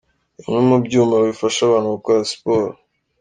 Bimwe mu byuma bifasha abantu gukora Siporo.